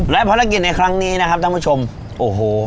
และภารกิจในครั้งนี้นะครับท่านผู้ชมโอ้โห